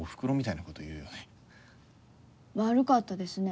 悪かったですね